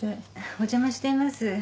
お邪魔しています。